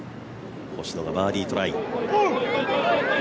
星野がバーディートライ。